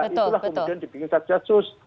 itulah kemudian dibikin saat gasus